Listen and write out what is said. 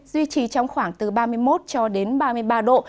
duy trì trong khoảng từ ba mươi một cho đến ba mươi ba độ